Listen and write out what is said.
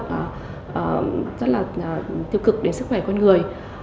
nó có thể gây ra các vấn đề rất là tiêu cực đến sức khỏe con người